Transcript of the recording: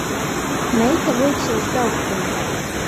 Meita vuicuos Daugpilī.